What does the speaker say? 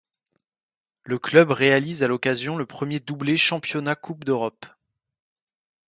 Le club réalise à l'occasion le premier doublé Championnat-Coupe d'Europe.